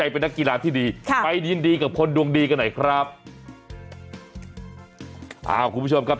ไปยินดีกับคนดวงดีกันใหนครับ